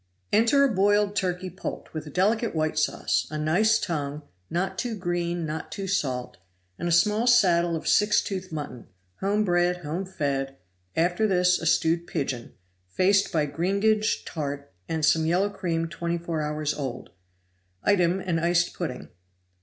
Enter a boiled turkey poult with delicate white sauce; a nice tongue, not too green nor too salt, and a small saddle of six tooth mutton, home bred, home fed; after this a stewed pigeon, faced by greengage tart, and some yellow cream twenty four hours old; item, an iced pudding.